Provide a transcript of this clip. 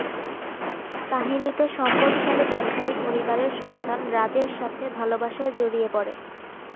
কাহিনীতে সম্পদশালী ব্যবসায়ী পরিবারের সন্তান রাজের সাথে ভালোবাসায় জড়িয়ে পড়ে।